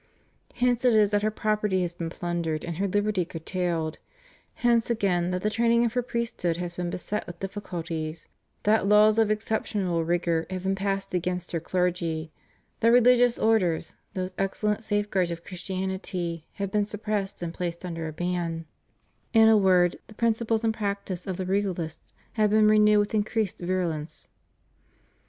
Hence it is that her property has been plundered and her liberty curtailed: hence again, that the training of her priesthood has been beset with difficulties; that laws of exceptional rigor have been passed against her clergy; that religious orders, those excellent safeguards of Christianity, have been suppressed and placed under a ban ; in a word, the principles and practice of the regaUsts have been renewed with increased virulence.